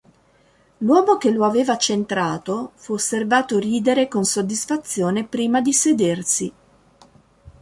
L'uomo che lo aveva centrato fu osservato ridere con soddisfazione prima di sedersi.